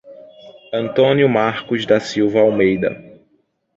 Antônio Marcos da Silva Almeida